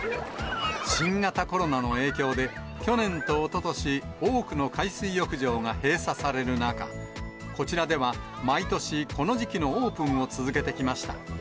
新型コロナの影響で、去年とおととし、多くの海水浴場が閉鎖される中、こちらでは毎年、この時期のオープンを続けてきました。